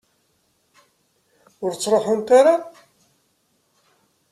Ur ttruḥunt ara?